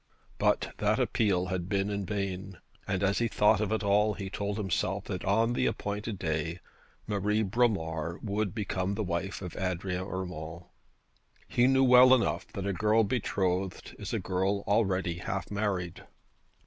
But that appeal had been in vain, and, as he thought of it all, he told himself that on the appointed day Marie Bromar would become the wife of Adrian Urmand. He knew well enough that a girl betrothed is a girl already half married.